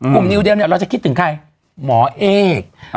นิวเดิมเนี่ยเราจะคิดถึงใครหมอเอก